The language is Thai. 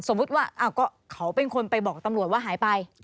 สมมุติว่าเขาเป็นคนไปบอกตำรวจว่าหายไป